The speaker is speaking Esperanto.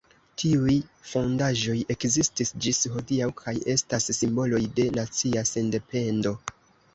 Tiuj fondaĵoj ekzistis ĝis hodiaŭ kaj estas simboloj de nacia sendependo.